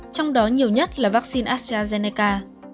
trong đó nhiều nhất là vaccine astrazeneca